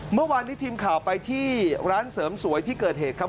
เมื่อวานนี้ทีมข่าวไปที่ร้านเสริมสวยที่เกิดเหตุครับ